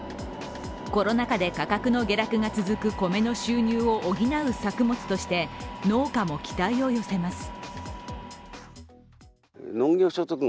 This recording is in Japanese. コロナ禍で価格の下落が続く米の収入を補う作物として農家も期待を寄せます。